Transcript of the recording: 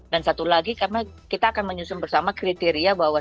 dan satu lagi karena kita akan menyusun bersama kriteria bahwa